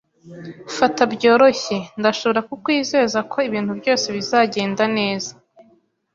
Fata byoroshye. Ndashobora kukwizeza ko ibintu byose bizagenda neza.